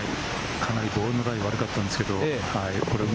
かなりボールのライが悪かったんですけれど。